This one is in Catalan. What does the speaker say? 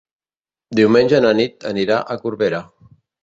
Diumenge na Nit anirà a Corbera.